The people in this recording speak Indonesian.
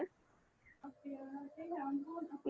oke ya ampun